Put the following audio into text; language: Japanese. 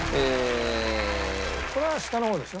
これは下の方でしょ？